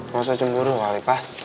masa cemburu kali pak